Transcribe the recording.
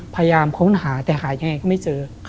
พยายามค้นหาแต่หายังไงก็ไม่เจอ